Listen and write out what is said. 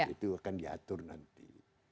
itu akan diatur nanti